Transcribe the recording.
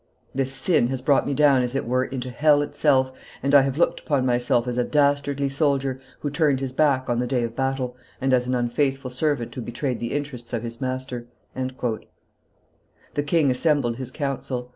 This sin has brought me down as it were into hell itself, and I have looked upon myself as a dastardly soldier who turned his back on the day of battle, and as an unfaithful servant who betrayed the interests of his master." The king assembled his council.